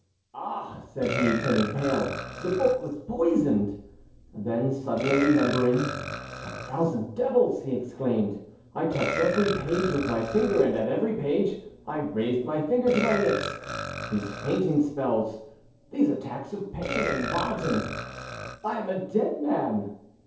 "Ah!" said he, turning pale; "the book was poisoned!" Then, suddenly remembering: "A thousand devils!" he exclaimed, "I touched every page with my finger, and at every page I raised my finger to my lips. These fainting spells, these attacks of pain and vomiting! I am a dead man!"